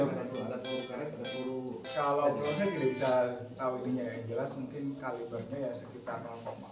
kalau peluru kalau peluru saya tidak bisa tahu ininya yang jelas mungkin kalibernya ya sekitar sembilan